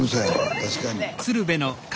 確かに。